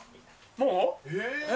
もう？